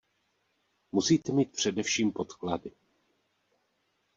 Musíte mít především podklady.